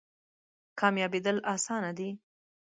کامیابیدل اسانه دی؟